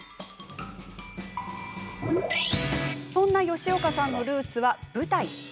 そんな吉岡さんのルーツは舞台。